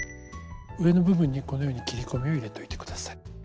上の部分にこのように切り込みを入れといて下さい。